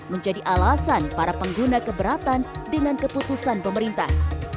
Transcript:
menjadi alasan para pengguna keberatan dengan keputusan pemerintah